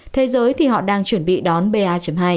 thế giới thì họ đang chuẩn bị đón ba hai